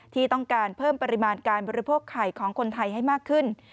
ที่ต้องการเพิ่มปริมาณการบริโภคไข่ของคนไทยให้มากขึ้น